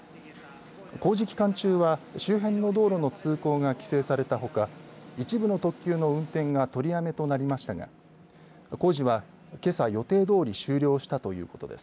工事期間中は周辺の道路の通行が規制されたほか一部の特急の運転が取りやめとなりましたが工事はけさ、予定どおり終了したということです。